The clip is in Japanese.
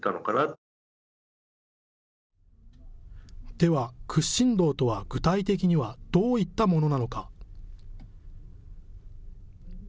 では屈伸道とは具体的にはどういったものなのか。